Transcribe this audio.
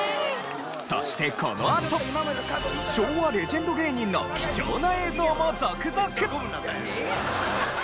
そしてこのあと昭和レジェンド芸人の貴重な映像も続々！